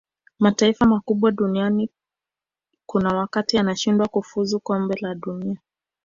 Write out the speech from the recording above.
mataifa makubwa duniani kuna wakati yanashindwa kufuzu kombe la dunia